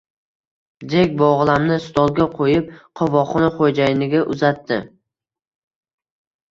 Jek bog`lamni stolga qo`yib, qovoqxona xo`jayniga uzatdi